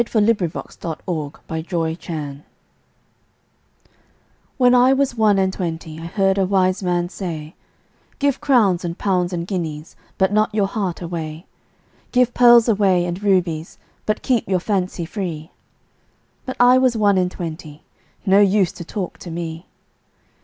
1896. XIII. When I was one and twenty WHEN I was one and twentyI heard a wise man say,'Give crowns and pounds and guineasBut not your heart away; Give pearls away and rubiesBut keep your fancy free.'But I was one and twenty, No use to talk to me.